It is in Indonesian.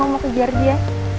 kalo mau kejar dia